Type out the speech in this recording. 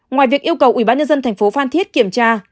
ngoài việc yêu cầu ubnd tp phan thiết kiểm tra